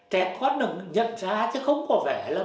trẻ thoát được nhận ra chứ không có vẻ là